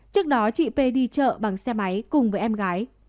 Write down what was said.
trước đó chị p đi chợ bằng xe máy cùng với em gái